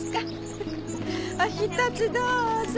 フフフおひとつどうぞ。